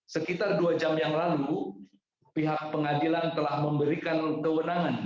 sekitar dua jam yang lalu pihak pengadilan telah memberikan kewenangan